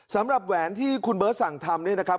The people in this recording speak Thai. แหวนที่คุณเบิร์ตสั่งทำเนี่ยนะครับ